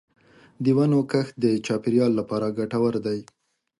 د ونو کښت د چاپېریال لپاره ګټور دی.